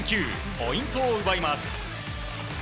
ポイントを奪います。